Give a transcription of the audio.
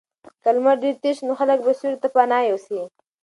که لمر ډېر تېز شي نو خلک به سیوري ته پناه یوسي.